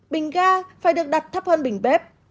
bình ga phải được đặt thấp hơn bình bếp